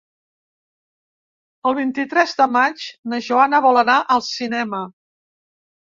El vint-i-tres de maig na Joana vol anar al cinema.